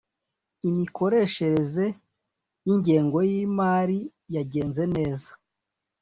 imikoreshereze yingengoyimari yagenze neza.